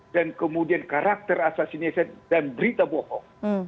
dan kemudian karakter assassination dan berita bohong